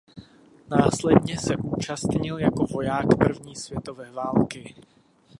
Následně se účastnil jako voják první světové války.